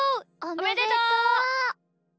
おめでとう！